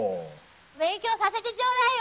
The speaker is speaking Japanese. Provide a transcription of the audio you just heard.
勉強させてちょうだいよ！